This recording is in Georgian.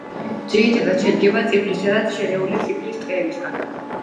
ძირითადად შედგება წიფლისა და შერეული წიფლის ტყეებისგან.